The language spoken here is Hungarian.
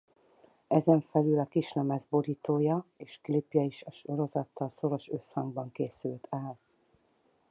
Ezen felül a kislemez borítója és klipje is a sorozattal szoros összhangban készült el.